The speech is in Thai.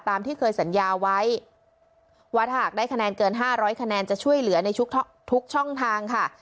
ตามที่เคยสัญญาไว้วัดหากได้คะแนนเกินห้าร้อยคะแนนจะช่วยเหลือในทุกทุกช่องทางค่ะ